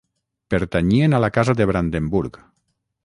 Pertanyien a la Casa de Brandenburg.